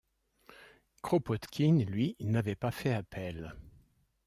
Kropotkine, lui, n’avait pas fait appel.